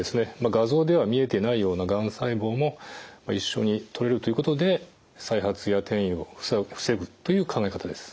画像では見えてないようながん細胞も一緒に取れるということで再発や転移を防ぐという考え方です。